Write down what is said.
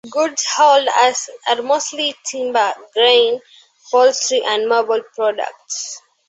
Goods hauled are mostly timber, grain, poultry, and marble products.